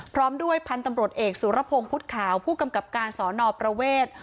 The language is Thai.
พร้อมด้วยพันธุ์ตำรวจเอกสุรพงศ์พุทธขาวผู้กำกับการสอนอประเวท